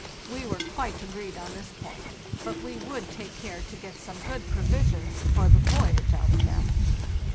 We were quite agreed on this point; but we would take care to get some good provisions for the voyage out of them.